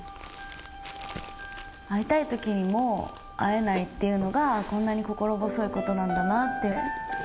会いたい時にも会えないっていうのがこんなに心細いことなんだなって。